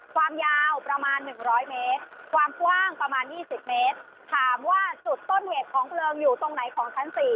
ความยาวประมาณ๑๐๐เมตรความกว้างประมาณ๒๐เมตรถามว่าจุดต้นเหตุของเพลิงอยู่ตรงไหนของชั้น๔